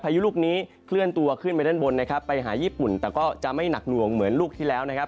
พายุลูกนี้เคลื่อนตัวขึ้นไปด้านบนนะครับไปหาญี่ปุ่นแต่ก็จะไม่หนักหน่วงเหมือนลูกที่แล้วนะครับ